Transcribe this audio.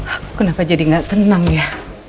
aku kenapa jadi gak tenang ya